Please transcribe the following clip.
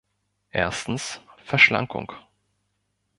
Erstens, Verschlankung.